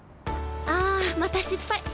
あまた失敗！